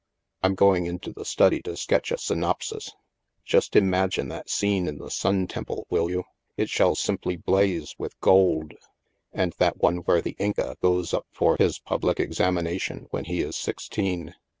I'm going into the study to sketch a synopsis. Just imagine that scene in the Sua Temple, will you ? It shall simply blaze with gold. And that one where the Inca goes up for his public examination when he is sixteen.